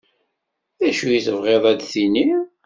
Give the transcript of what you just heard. D acu tebɣiḍ ad d-tiniḍ?